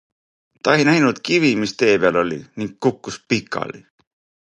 Ta ei näinud kivi, mis tee peal oli, ning kukkus pikali.